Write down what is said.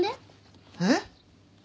えっ？